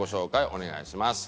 お願いします。